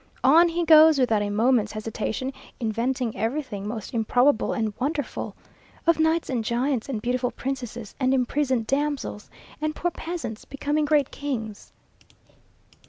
On he goes, without a moment's hesitation, inventing everything most improbable and wonderful; of knights and giants and beautiful princesses, and imprisoned damsels, and poor peasants becoming great kings.